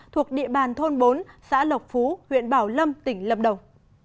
thuộc địa bàn thôn bốn xã lộc phú huyện bảo lâm tỉnh lâm đồng